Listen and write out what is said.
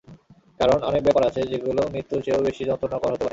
কারণ, অনেক ব্যাপার আছে যেগুলো মৃত্যুর চেয়েও বেশি যন্ত্রণাকর হতে পারে।